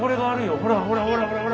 ほらほらほらほらほら。